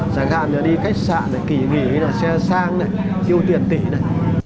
giả gà nữa đi khách sạn kỳ nghỉ xe sang này tiêu tiền tỷ này